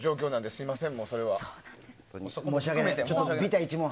すみません。